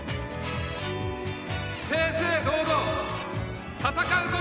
正々堂々戦うことを誓う。